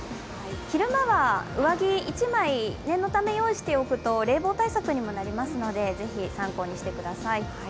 昼間は上着１枚、念のため用意しておくと冷房対策にもなりますのでぜひ、参考にしてください。